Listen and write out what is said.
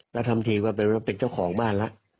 แล้วทำทีว่าเป็นเจ้าของบ้านแล้ว